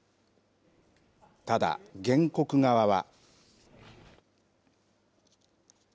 ただ、原告側は。